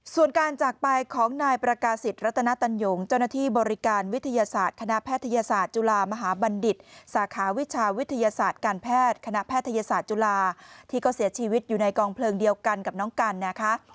ส่วนการจากไปของนายประกาศิษย์รัตนตันหยงเจ้าหน้าที่บริการวิทยาศาสตร์คณะแพทยศาสตร์จุฬามหาบัณฑิตสาขาวิชาวิทยาศาสตร์การแพทย์คณะแพทยศาสตร์จุฬาที่ก็เสียชีวิตอยู่ในกองเพลิงเดียวกันกับน้องกันนะคะ